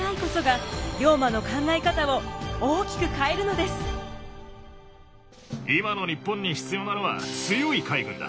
この出会いこそが今の日本に必要なのは強い海軍だ。